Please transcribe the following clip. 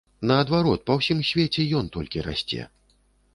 Наадварот, па ўсім свеце ён толькі расце.